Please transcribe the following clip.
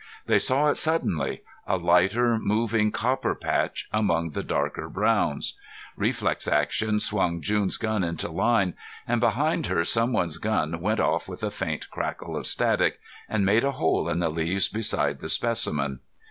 They saw it suddenly, a lighter moving copper patch among the darker browns. Reflex action swung June's gun into line, and behind her someone's gun went off with a faint crackle of static, and made a hole in the leaves beside the specimen.